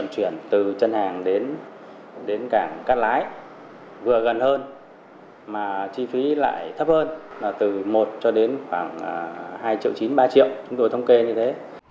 chúng tôi thông kê như thế